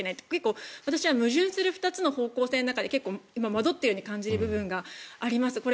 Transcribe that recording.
結構私は矛盾する２つの方向性の中で今戻っているように感じる部分があります。